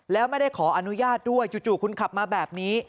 แล้วไม่ได้ขออนุญาตด้วยจู่คุณขับมาแบบนี้